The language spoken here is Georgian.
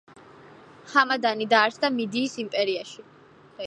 ჰამადანი დაარსდა მიდიის იმპერიაში.